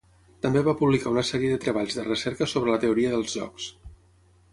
També va publicar una sèrie de treballs de recerca sobre la teoria dels jocs.